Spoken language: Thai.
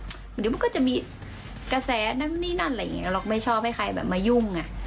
เดี๋ยวมันก็จะมีกระแสนั่นนี่นั่นอะไรอย่างนี้เราไม่ชอบให้ใครแบบมายุ่งไง